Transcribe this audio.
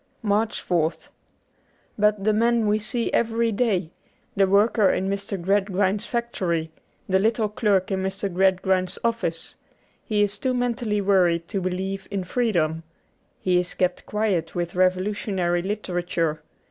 '' 69 MARCH 4th BUT the man we see every day — the worker in Mr. Gradgrind's factory, the little clerk in Mr. Gradgrind's office — he is too mentally worried to believe in freedom. He is kept quiet with revolutionary literature.